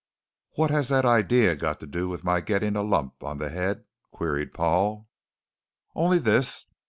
"What has that idea got to do with my getting a lump on the head?" queried Paul. "Only this.